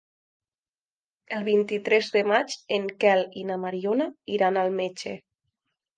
El vint-i-tres de maig en Quel i na Mariona iran al metge.